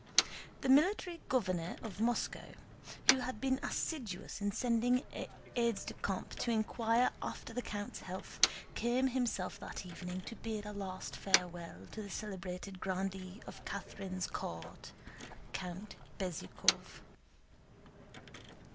The Military Governor of Moscow, who had been assiduous in sending aides de camp to inquire after the count's health, came himself that evening to bid a last farewell to the celebrated grandee of Catherine's court, Count Bezúkhov.